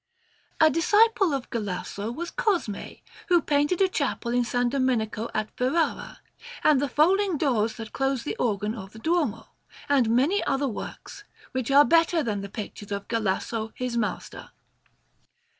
A disciple of Galasso was Cosmè, who painted a chapel in S. Domenico at Ferrara, and the folding doors that close the organ of the Duomo, and many other works, which are better than the pictures of Galasso, his master.